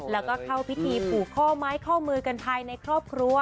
แล้วก็เข้าพิธีผูกข้อไม้ข้อมือกันภายในครอบครัว